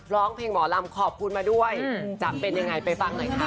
ร้องเพลงหมอลำขอบคุณมาด้วยจะเป็นยังไงไปฟังหน่อยค่ะ